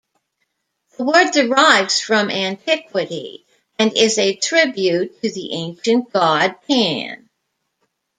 The word derives from antiquity and is a tribute to the ancient god, Pan.